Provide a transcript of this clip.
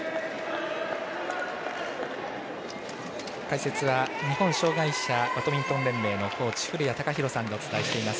解説は日本障がい者バドミントン連盟のコーチ古屋貴啓さんでお伝えしています。